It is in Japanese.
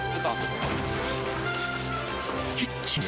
キッチンへ。